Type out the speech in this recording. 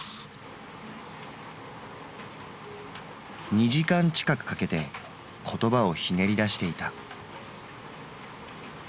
２時間近くかけて言葉をひねり出していた。